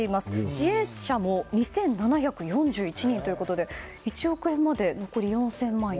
支援者も２７４１人ということで１億円まで残り４０００万円。